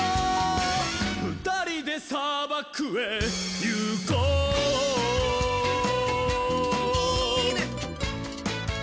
「ふたりでさばくへいこう」イイネ！